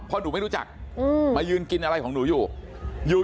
เพราะหนูไม่รู้จักมายืนกินอะไรของหนูอยู่อยู่